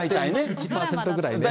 １％ぐらい。